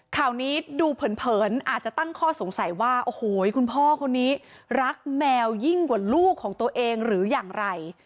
ข่าวนี้ดูเผินอาจจะตั้งข้อสงสัยว่าโอ้โหคุณพ่อคนนี้รักแมวยิ่งกว่าลูกของตัวเองหรืออย่างไร